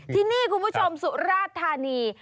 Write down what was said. ที่นี่คุณผู้ชมสุราชธานี